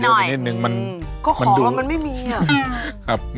ออร่อยจริงออร่อยจริงอ